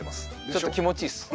ちょっと気持ちいいです。